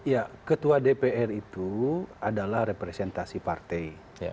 ya ketua dpr itu adalah representasi partai